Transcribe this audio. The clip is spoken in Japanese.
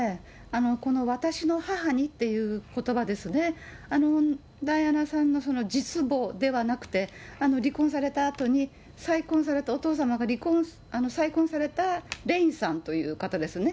この私の母にっていうことばですね、ダイアナさんのその実母ではなくて、離婚されたあとに再婚されたお父様が再婚されたレインさんという方ですね。